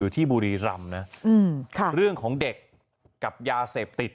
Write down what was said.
ที่บุรีรำนะเรื่องของเด็กกับยาเสพติด